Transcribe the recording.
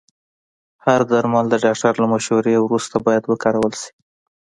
هر درمل د ډاکټر له مشورې وروسته باید وکارول شي.